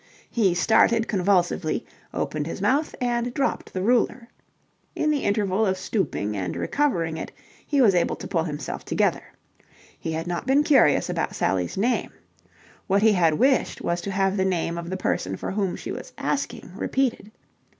He started convulsively, opened his mouth, and dropped the ruler. In the interval of stooping and recovering it he was able to pull himself together. He had not been curious about Sally's name. What he had wished was to have the name of the person for whom she was asking repeated.